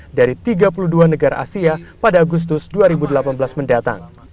pada sepuluh juli tim fifa akan menemukan pertempuran ke asia pada agustus dua ribu delapan belas mendatang